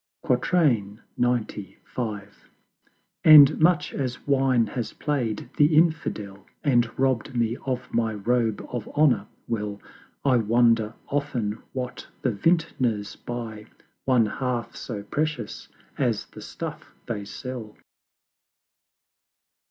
XCV. And much as Wine has play'd the Infidel, And robb'd me of my Robe of Honor Well, I wonder often what the Vintners buy One half so precious as the stuff they sell.